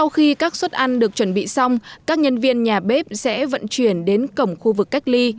khi xong các nhân viên nhà bếp sẽ vận chuyển đến cổng khu vực cách ly